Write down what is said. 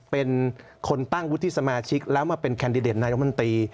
เป็นคนตั้งวุฒิสมาชิกแล้วมาเป็นแคนดิเดตนายกมนตรี